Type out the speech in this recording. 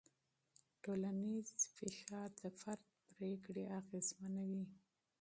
ټولنیز فشار د فرد پرېکړې اغېزمنوي.